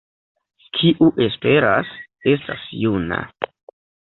Kiu esperas, estas juna.